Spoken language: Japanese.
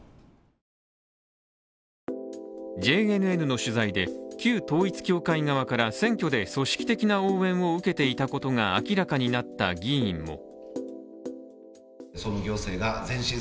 ＪＮＮの取材で、旧統一教会側から選挙で組織的な応援を受けていたことが明らかになった議員も。